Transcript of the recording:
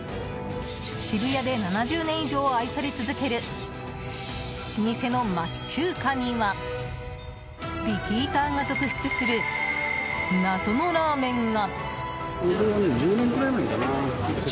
渋谷で７０年以上愛され続ける老舗の町中華にはリピーターが続出する謎のラーメンが。